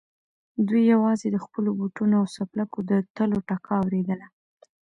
دوی يواځې د خپلو بوټونو او څپلکو د تلو ټکا اورېدله.